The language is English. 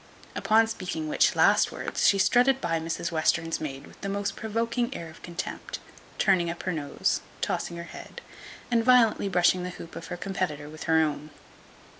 Upon speaking which last words, she strutted by Mrs Western's maid with the most provoking air of contempt; turning up her nose, tossing her head, and violently brushing the hoop of her competitor with her own.